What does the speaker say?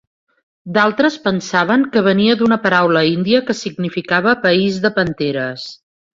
D'altres pensaven que venia d'una paraula índia que significava "país de panteres".